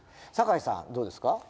坂井さんどうですか？